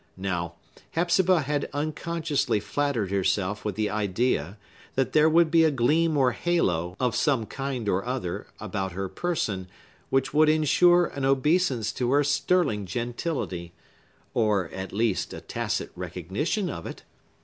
Now, Hepzibah had unconsciously flattered herself with the idea that there would be a gleam or halo, of some kind or other, about her person, which would insure an obeisance to her sterling gentility, or, at least, a tacit recognition of it.